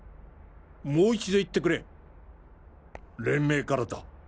もう一度言ってくれ連盟からだ。